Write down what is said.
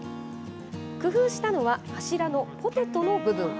工夫したのは、柱のポテトの部分。